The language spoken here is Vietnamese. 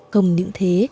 cùng những thế